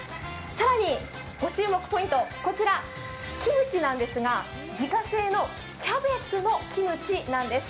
更にご注目ポイント、こちらキムチなんですが自家製のキャベツのキムチなんです。